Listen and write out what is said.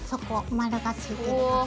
丸がついてるとこ。